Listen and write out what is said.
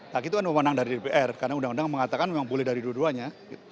hak itu kan pemenang dari dpr karena undang undang mengatakan memang boleh dari dua duanya